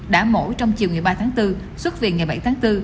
đã mổ trong chiều ngày ba tháng bốn xuất viện ngày bảy tháng bốn